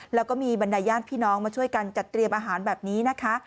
แล้วก็มีบรรดายญาติพี่น้องมาช่วยกันจัดเตรียมอาหารแบบนี้นะคะ